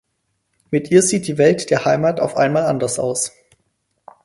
Mit ihr sieht die Welt der Heimat auf einmal anders aus.